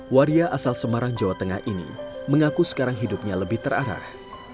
waria asal semarang jawa tengah ini mengaku sekarang hidupnya lebih terarah